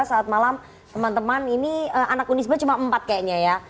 saat malam teman teman ini anak unisba cuma empat kayaknya ya